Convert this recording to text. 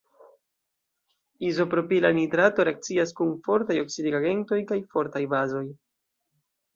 Izopropila nitrato reakcias kun fortaj oksidigagentoj kaj fortaj bazoj.